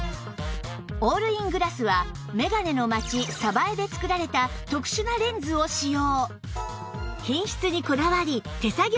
オールイングラスは「めがねのまちさばえ」で作られた特殊なレンズを使用